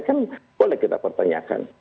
kan boleh kita pertanyakan